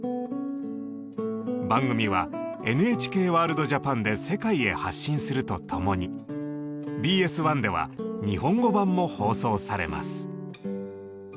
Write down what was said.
番組は「ＮＨＫワールドＪＡＰＡＮ」で世界へ発信するとともにＢＳ１では日本語版も放送されます。